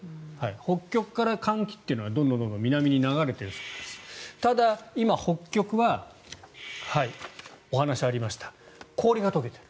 北極から寒気というのはどんどん南に流れているんですがただ今、北極はお話がありました氷が解けている。